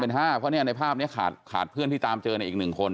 เพราะในภาพนี้ขาดเพื่อนที่ตามเจอในอีก๑คน